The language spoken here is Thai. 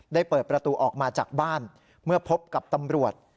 ได้เปิดประตูออกมาจากบ้านเมื่อพบกับตำรวจ